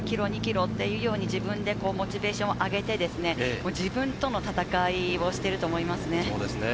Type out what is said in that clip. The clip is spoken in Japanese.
あと３ｋｍに２ｋｍ、自分でモチベーションを上げて、自分との戦いをしていると思いますね。